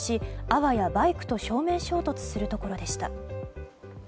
あわやバイクと正面衝突するところでした。